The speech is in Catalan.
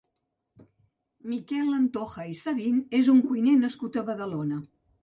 Miquel Antoja i Sabin és un cuiner nascut a Badalona.